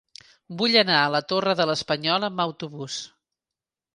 Vull anar a la Torre de l'Espanyol amb autobús.